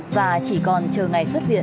và chỉ còn chờ ngày xuất viện